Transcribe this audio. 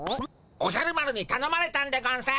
おじゃる丸にたのまれたんでゴンス。